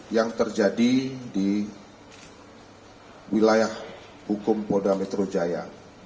yang terjadi di wilayah hukum polda metro jaya